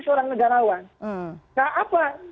seorang negarawan nah apa